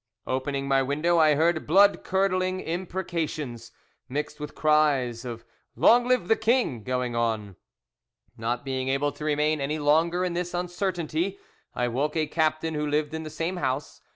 Opening my window, I heard bloodcurdling imprecations, mixed with cries of "Long live the king!" going on. Not being able to remain any longer in this uncertainty, I woke a captain who lived in the same house.